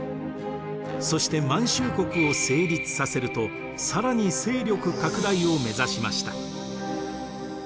そして満州国を成立させると更に勢力拡大を目指しました。